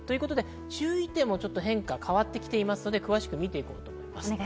注意点も変化、変わってきていますので詳しくみていきます。